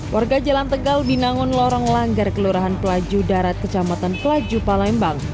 warga jalan tegal binangun lorong langgar kelurahan pelaju darat kecamatan pelaju palembang